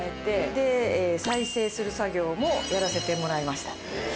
で再生する作業もやらせてもらいました。